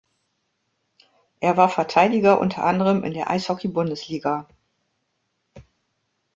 Er war Verteidiger unter anderem in der Eishockey-Bundesliga.